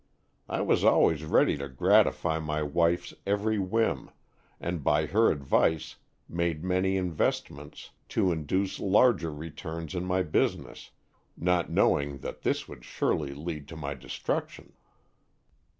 I was always ready to gratify my wife's every whim and by her advice made many investments to induce larger returns in my business, not knowing that this would surely lead to my destruction.